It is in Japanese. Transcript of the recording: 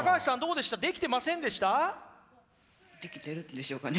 できてるんでしょうかね？